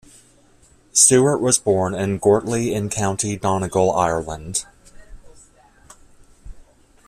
Stewart was born in Gortlea in County Donegal, Ireland.